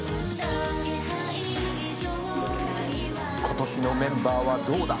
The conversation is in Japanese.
「今年のメンバーはどうだ？